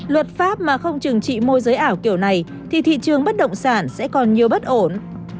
luật pháp mà không chừng trị môi giới ảo kiểu này thì thị trường bất động sản sẽ còn nhiều bất ổn